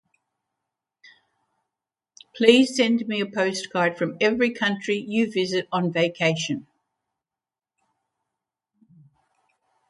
Please send me a postcard from every country you visit on vacation.